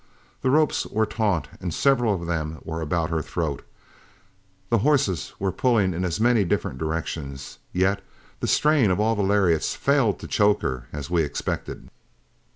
The ropes were taut and several of them were about her throat; the horses were pulling in as many different directions, yet the strain of all the lariats failed to choke her as we expected.